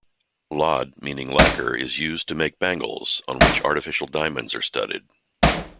"Laad" meaning lacquer is used to make bangles, on which artificial diamonds are studded.